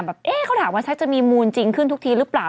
แบบเอ๊เข้าถามว่าจะมีมูลจริงขึ้นทุกทีรึเปล่า